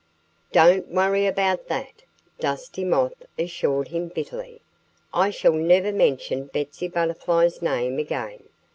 "Don't worry about that!" Dusty Moth assured him bitterly. "I shall never mention Betsy Butterfly's name again.